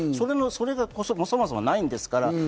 それがそもそもないんですよ。